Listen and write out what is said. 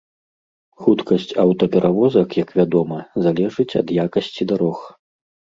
Хуткасць аўтаперавозак, як вядома, залежыць ад якасці дарог.